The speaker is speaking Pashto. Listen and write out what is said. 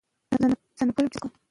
د کار ارزښت باید وپېژندل شي.